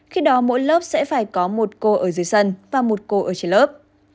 khi đó mỗi lớp sẽ phải có một cô ở dưới sân và một cô ở trên lớp